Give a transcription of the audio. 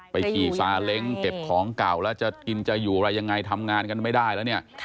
ไปขี่ซาเล้งเก็บของเก่าแล้วจะกินจะอยู่ทำงานกันไม่ได้แล้ว